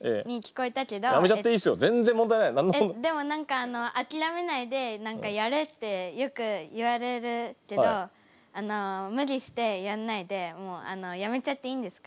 えっでも何か「諦めないでやれ」ってよく言われるけど無理してやんないでもうやめちゃっていいんですか？